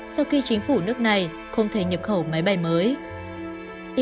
sau khi chính phủ nước này không thể nhập khẩu máy bay mới